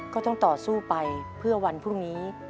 ก็ต้องต่อสู้ไปเพื่อวันพรุ่งนี้